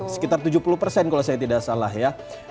sekitar tujuh puluh kalau saya tidak salah ya